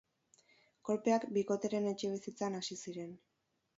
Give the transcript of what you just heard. Kolpeak bikotearen etxebizitzan hasi ziren.